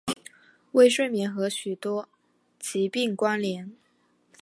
微睡眠和许多疾病关联。